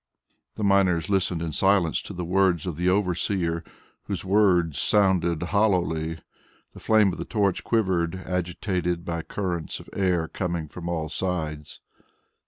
The miners listened in silence to the words of the overseer, whose words sounded hollowly. The flame of the torch quivered, agitated by currents of air coming from all sides.